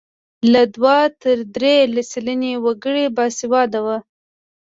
له دوه تر درې سلنې وګړي باسواده وو.